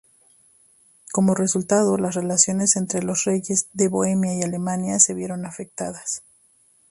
Como resultado, las relaciones entre los reyes de Bohemia y Alemania se vieron afectadas.